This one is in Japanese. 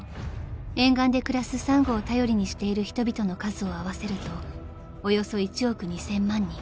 ［沿岸で暮らすサンゴを頼りにしている人々の数を合わせるとおよそ１億２，０００万人］